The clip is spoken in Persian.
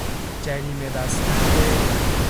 جریمه بستن به...